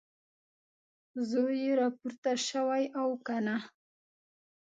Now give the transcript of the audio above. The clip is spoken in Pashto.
زوی یې راپورته شوی او که نه؟